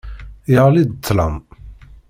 Yeɣli-d ṭṭlam.